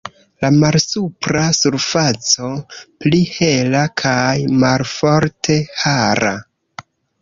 La malsupra surfaco pli hela kaj malforte hara.